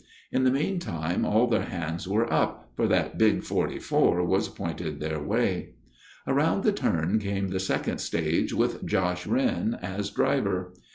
In the meantime all their hands were up, for that big "44" was pointed their way. Around the turn came the second stage with "Josh" Wrenn as driver.